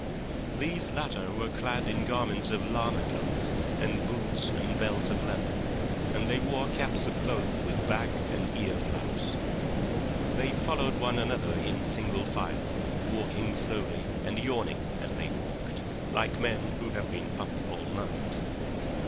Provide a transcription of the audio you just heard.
These latter were clad in garments of llama cloth and boots and belts of leather, and they wore caps of cloth with back and ear flaps. They followed one another in single file, walking slowly and yawning as they walked, like men who have been up all night.